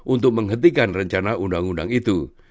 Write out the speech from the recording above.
untuk menghentikan rencana undang undang itu